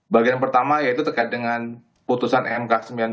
bagian pertama yaitu terkait dengan putusan mk sembilan puluh lima